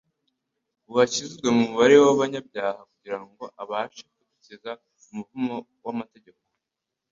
Yashyizwe mu mubare w'abanyabyaha kugira ngo abashe kudukiza umuvumo w'amategeko.